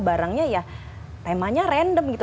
barangnya ya temanya random gitu